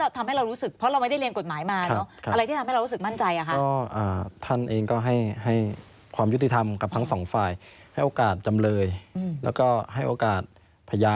ผู้เสียหาย